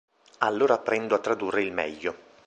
Allora prendo a tradurre il meglio.